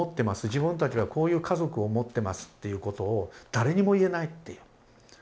自分たちはこういう家族を持ってますということを誰にも言えないっていう。